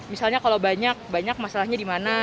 misalnya kalau banyak masalahnya dimana